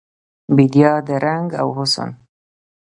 بیدیا د رنګ او حسن